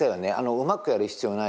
うまくやる必要はないと。